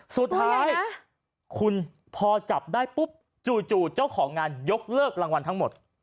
สุดท้ายตั๋วยักษ์นะคุณพอจับได้ปุ๊บจู่จู่เจ้าของงานหยกเลิกรางวัลทั้งหมด